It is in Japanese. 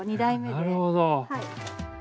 なるほど。